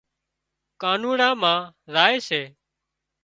ڪانوڙا مان زائي سي